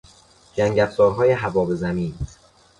جنگافزارهای هوا به زمین